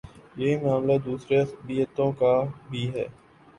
یہی معاملہ دوسری عصبیتوں کا بھی ہے۔